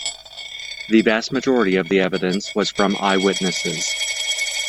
The vast majority of the evidence was from eyewitnesses.